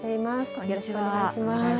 よろしくお願いします。